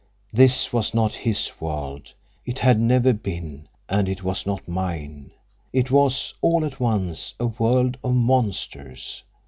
This was not his world; it had never been—and it was not mine. It was, all at once, a world of monsters.